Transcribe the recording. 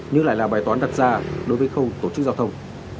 nhưng lại là bài toán đặt ra đối với khâu tổ chức giao thông